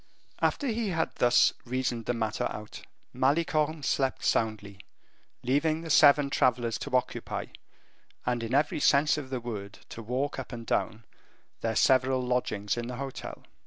After he had thus reasoned the matter out, Malicorne slept soundly, leaving the seven travelers to occupy, and in every sense of the word to walk up and down, their several lodgings in the hotel.